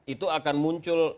itu akan muncul